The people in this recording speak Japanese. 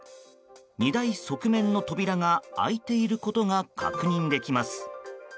荷台側面の扉が開いていることが確認できます。